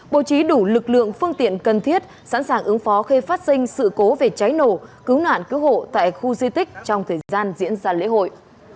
bố trí đủ lực lượng phương tiện cần thiết sẵn sàng ứng phó khi phát sinh sự cố về cháy nổ cứu nạn cứu hộ tại khu di tích trong thời gian diễn ra lễ hội